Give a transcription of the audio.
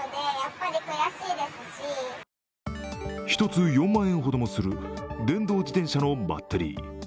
１つ、４万円ほどもする電動自転車のバッテリー。